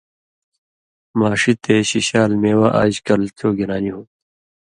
ماݜی تے شِشال مېوہ آژ کل چو گرانی ہُو تُھو